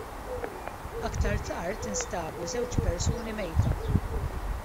Aktar tard instabu żewġ persuni mejta.